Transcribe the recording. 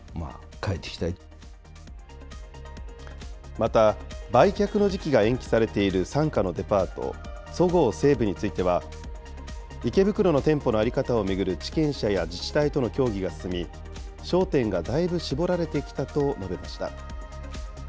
また、売却の時期が延期されている傘下のデパート、そごう・西武については、池袋の店舗の在り方を巡る地権者や自治体との協議が進み、焦点がだいぶ絞られてきたと述べました。